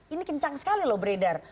ini kencang sekali loh beredar